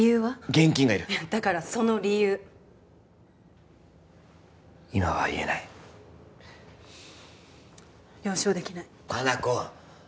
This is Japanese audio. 現金がいるだからその理由今は言えない了承できない香菜子